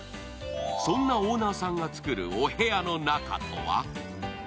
そんなオーナーさんが作るお部屋の中とは？